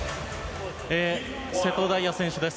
瀬戸大也選手です。